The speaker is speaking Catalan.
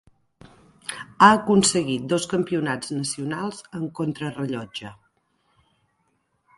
Ha aconseguit dos Campionats nacionals en contrarellotge.